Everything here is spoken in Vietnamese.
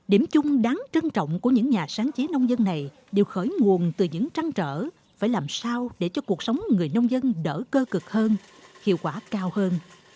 điểm chung đáng trân trọng của những nhà sáng chế nông dân này đều khởi nguồn từ những trăn trở phải làm sao để cho cuộc sống người nông dân đỡ cơ cực hơn hiệu quả cao hơn